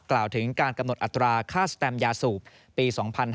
กล่าวถึงการกำหนดอัตราค่าสแตมยาสูบปี๒๕๕๙